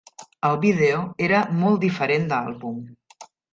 El vídeo era molt diferent de àlbum.